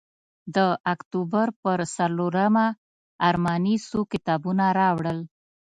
د اکتوبر پر څلورمه ارماني څو کتابه راوړل.